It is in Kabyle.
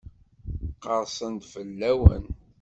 Qersen-d fell-awen?